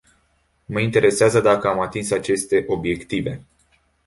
Mă interesează dacă am atins aceste obiective.